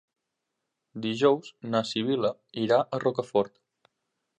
Dijous na Sibil·la irà a Rocafort.